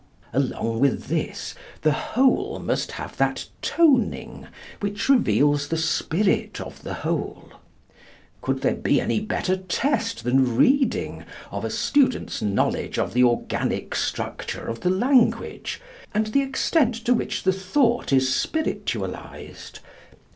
Along with this, the whole must have that toning which reveals the spirit of the whole. Could there be any better test than reading, of a student's knowledge of the organic structure of the language, and the extent to which the thought is spiritualized?